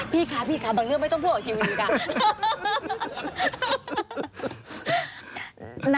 พี่ค่ะบางเรื่องไม่ต้องพูดกับทีวีค่ะ